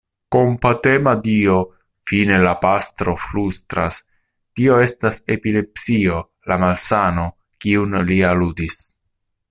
Kompatema Dio! fine la pastro flustras, tio estas epilepsio, la malsano, kiun li aludis.